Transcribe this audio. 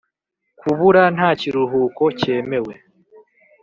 kubura nta kiruhuko cyemewe.